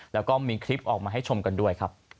แล้วก็มีคลิปออกมาให้ชมกันด้วยครับ